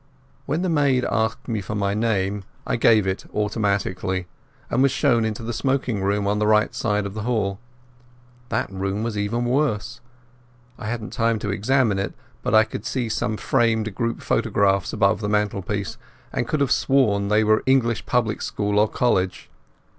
When the maid asked me for my name I gave it automatically, and was shown into the smoking room, on the right side of the hall. That room was even worse. I hadn't time to examine it, but I could see some framed group photographs above the mantelpiece, and I could have sworn they were English public school or college.